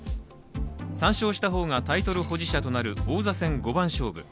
３勝した方がタイトル保持者となる王座戦５番勝負。